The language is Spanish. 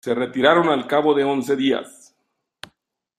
Se retiraron al cabo de once días.